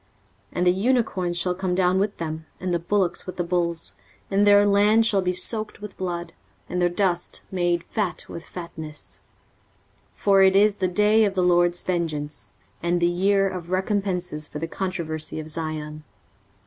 23:034:007 And the unicorns shall come down with them, and the bullocks with the bulls; and their land shall be soaked with blood, and their dust made fat with fatness. 23:034:008 For it is the day of the LORD's vengeance, and the year of recompences for the controversy of Zion.